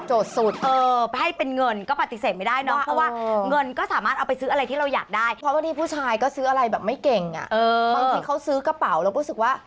จริงมันควรจะร้อยเปอร์เซ็นต์นะ